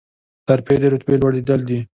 ترفیع د رتبې لوړیدل دي